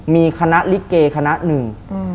มีคณะลิเกคณะหนึ่ง